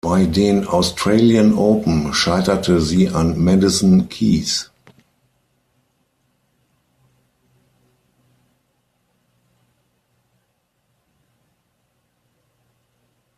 Bei den Australian Open scheiterte sie an Madison Keys.